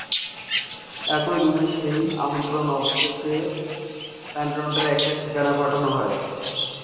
একই ক্রমে, সেই আমন্ত্রণ অবশেষে এডলটনের একটা ঠিকানায় পাঠানো হয়।